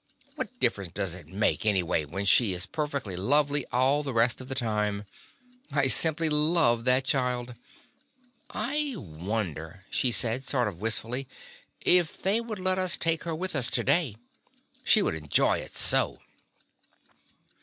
What difference does it make, any way, when she is perfectly lovely all the rest of the time? I simply love that child. I wonder,'' she said, sort of wistful, "if they would let us take her with us to day. She would enjoy it so.''